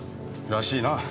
らしいな。